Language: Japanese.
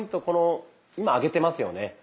この今上げてますよね。